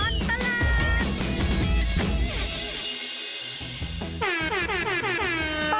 ช่วงตลอดตลาด